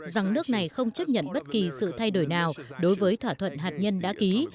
rằng nước này không chấp nhận bất kỳ sự thay đổi nào đối với thỏa thuận hạt nhân đã ký